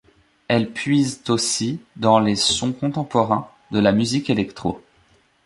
Elle puisent aussi dans les sons contemporains de la musique électro.